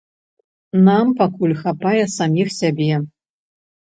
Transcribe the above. Нам пакуль хапае саміх сябе.